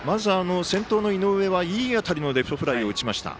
先頭の井上はいい当たりのレフトフライを打ちました。